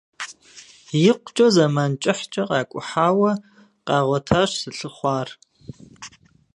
Икъукӏэ зэмэн кӏыхькӏэ къакӏухьауэ къагъуэтащ зылъыхъуар.